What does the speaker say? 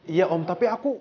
iya om tapi aku